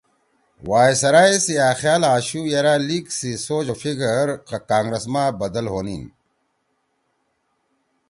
وائسرائے سی أ خیال آشُو یرأ لیگ سی سوچ او فکر کانگرس ما بدل ہونِین